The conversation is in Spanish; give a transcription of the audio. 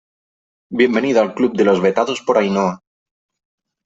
bienvenido al club de los vetados por Ainhoa .